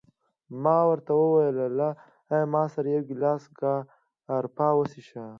ما ورته وویل: له ما سره یو ګیلاس ګراپا وڅښه.